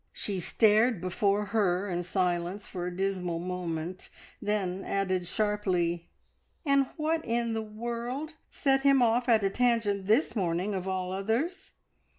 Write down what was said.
She stared before her in silence for a dismal moment, then added sharply: "And what in the world set him off at a tangent this morning, of all others?